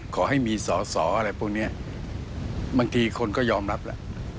ขอให้มีสอสออะไรพวกนี้บางทีคนก็ยอมรับแล้ว